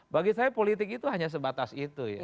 bagi saya politik itu hanya sebatas itu ya